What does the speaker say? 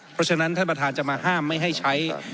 เพราะฉะนั้นท่านประธานจะมาห้ามไม่ให้ใช้